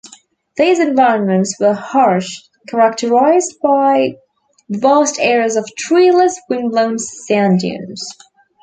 These environments were harsh, characterised by vast areas of treeless, wind-blown sand dunes.